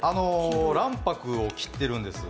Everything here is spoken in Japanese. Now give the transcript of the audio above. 卵白を切っているんです。